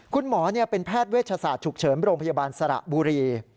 คุณหมอเป็นแพทย์เวชศาสตร์ฉุกเฉินโรงพยาบาลสระบุรี